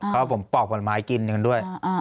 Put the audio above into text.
เพราะว่าผมปอกผลไม้กินอย่างนั้นด้วย